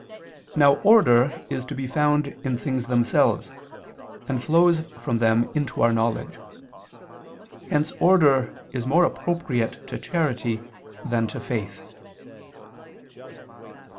Now order is to be found in things themselves, and flows from them into our knowledge. Hence order is more appropriate to charity than to faith.